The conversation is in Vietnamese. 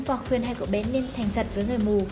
và khuyên hay cậu bé nên thành thật với người mù